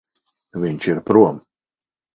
Viņš ir prom.